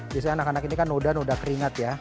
biasanya anak anak ini kan noda noda keringat ya